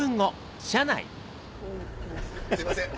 すいません